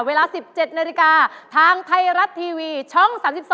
เวลา๑๗นาฬิกาทางไทยรัฐทีวีช่อง๓๒